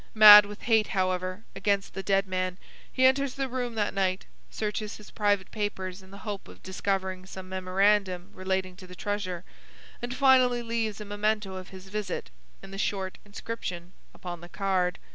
Mad with hate, however, against the dead man, he enters the room that night, searches his private papers in the hope of discovering some memorandum relating to the treasure, and finally leaves a momento of his visit in the short inscription upon the card.